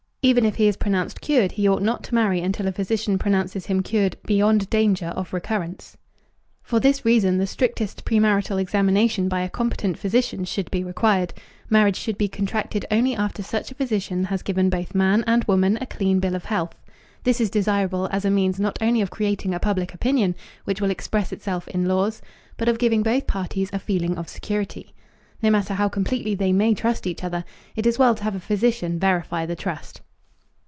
Even if he is pronounced cured, he ought not to marry until a physician pronounces him cured beyond danger of recurrence. For this reason the strictest premarital examination by a competent physician should be required. Marriage should be contracted only after such a physician has given both man and woman a clean bill of health. This is desirable as a means not only of creating a public opinion which will express itself in laws, but of giving both parties a feeling of security. No matter how completely they may trust each other, it is well to have a physician verify the trust.